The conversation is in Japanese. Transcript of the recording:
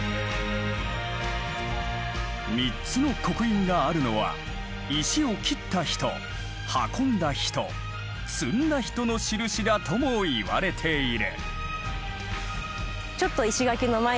３つの刻印があるのは石を切った人運んだ人積んだ人の印だともいわれている。